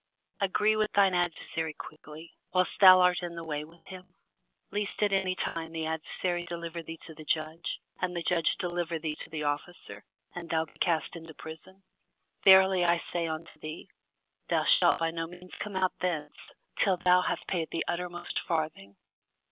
Agree with thine adversary quickly, whiles thou art in the way with him; lest at any time the adversary deliver thee to the judge, and the judge deliver thee to the officer, and thou be cast into prison. Verily I say unto thee, Thou shalt by no means come out thence, till thou hast paid the uttermost farthing.